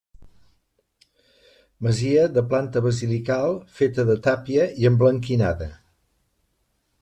Masia de planta basilical feta de tàpia i emblanquinada.